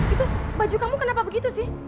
itu baju kamu kenapa begitu sih